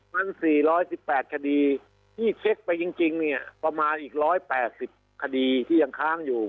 มันสี่ร้อยสิบแปดคดีที่เช็คไปจริงจริงเนี่ยประมาณอีกร้อยแปดสิบคดีที่ยังค้างอยู่